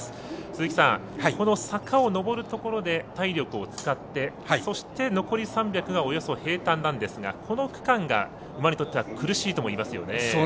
鈴木さん、坂を上るところで体力を使ってそして、残り３００がおよそ平たんなんですがこの区間が馬にとっては苦しいと思いますよね。